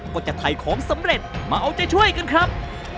ก็จะถ่ายของสำเร็จมาเอาใจช่วยกันครับ